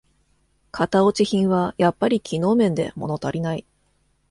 型落ち品はやっぱり機能面でものたりない